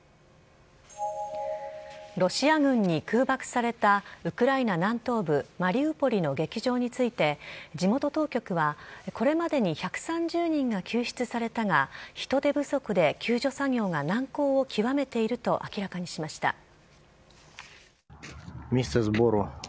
ロシア軍に空爆されたウクライナ南東部マリウポリの劇場について地元当局はこれまでに１３０人が救出されたが人手不足で救助作業が難航を極めていると明らかにしました。